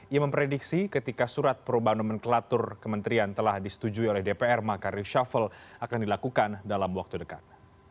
ia memprediksi ketika surat perubahan nomenklatur kementerian telah disetujui oleh dpr maka reshuffle akan dilakukan dalam waktu dekat